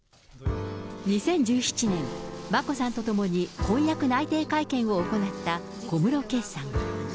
２０１７年、眞子さんと共に婚約内定会見を行った小室圭さん。